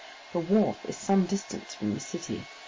The wharf is some distance from the city.